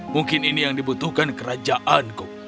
mungkin ini yang dibutuhkan kerajaanku